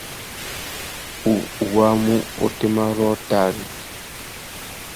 U wāmú otémá rôō tari ?